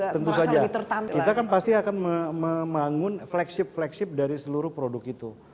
tentu saja kita kan pasti akan membangun flagship flagship dari seluruh produk itu